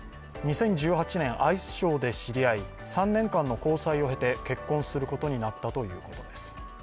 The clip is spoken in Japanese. ２０１８年、アイスショーで知り合い３年間の交際を経て結婚することになったということです。